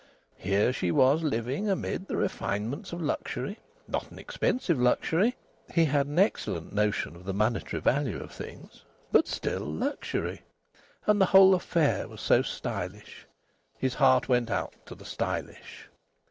Here she was living amid the refinements of luxury. Not an expensive luxury (he had an excellent notion of the monetary value of things), but still luxury. And the whole affair was so stylish. His heart went out to the stylish.